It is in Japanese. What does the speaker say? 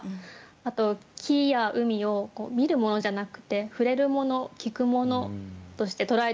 あと樹や海を見るものじゃなくて触れるもの聴くものとして捉えてる。